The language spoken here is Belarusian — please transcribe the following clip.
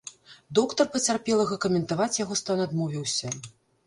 Доктар пацярпелага каментаваць яго стан адмовіўся.